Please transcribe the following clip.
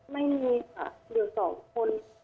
ไม่มีค่ะอยู่สองคน